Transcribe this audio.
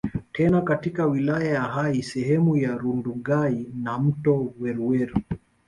Tena katika wilaya ya Hai sehemu za Rundugai na mto Weruweru